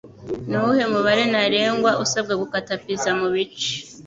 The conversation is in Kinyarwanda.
Nuwuhe mubare ntarengwa usabwa gukata Pizza mubice